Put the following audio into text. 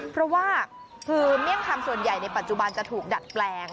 เพราะว่าคือเมี่ยงคำส่วนใหญ่ในปัจจุบันจะถูกดัดแปลง